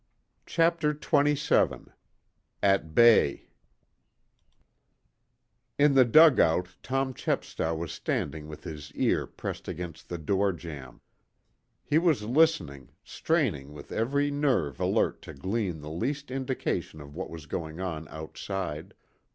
CHAPTER XXVII AT BAY In the dugout Tom Chepstow was standing with his ear pressed against the door jamb. He was listening, straining with every nerve alert to glean the least indication of what was going on outside.